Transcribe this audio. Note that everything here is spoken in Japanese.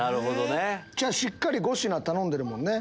しっかり５品頼んでるもんね。